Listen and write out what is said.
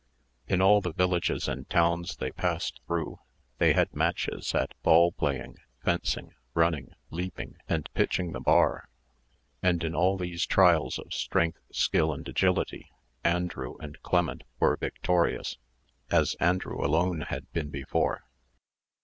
In all the villages and towns they passed through, they had matches at ball playing, fencing, running, leaping, and pitching the bar; and in all these trials of strength, skill, and agility Andrew and Clement were victorious, as Andrew alone had been before.